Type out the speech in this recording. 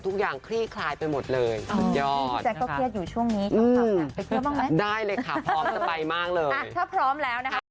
ทุกอย่างคลี่คลายไปหมดเลยสุดยอด